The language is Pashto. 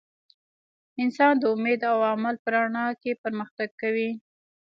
انسان د امید او عمل په رڼا کې پرمختګ کوي.